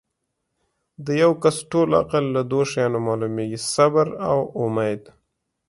د یو کس ټول عقل لۀ دوه شیانو معلومیږي صبر او اُمید